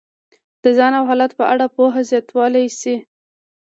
د ځان او حالت په اړه پوهه زیاتولی شي.